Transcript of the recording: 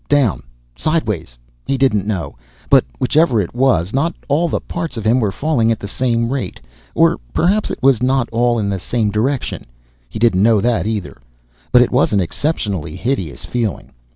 Down? Sideways? He didn't know, but whichever it was not all the parts of him were falling at the same rate, or perhaps it was not all in the same direction, he didn't know that either, but it was an exceptionally hideous feeling.